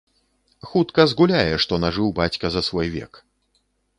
Хутка згуляе, што нажыў бацька за свой век.